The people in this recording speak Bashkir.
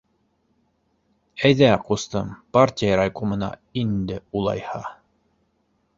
- Әйҙә, ҡустым, партия райкомына инде улайһа